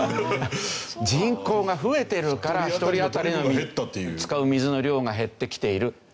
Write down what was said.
人口が増えてるから一人当たりの使う水の量が減ってきているという事でね。